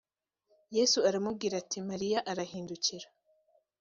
yesu aramubwira ati mariya arahindukira